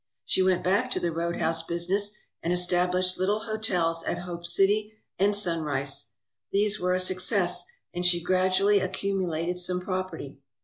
She went back to the roadhouse business and established little hotels at Hope City and Sunrise. These were a success and she gradually accumulated some property.